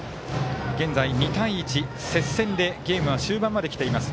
現在２対１、接戦でゲームは終盤まできています。